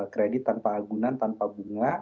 kredit tanpa agunan tanpa bunga